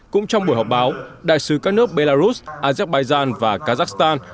cũng trong buổi họp báo đại sứ các nước belarus azerbaijan và kazakhstan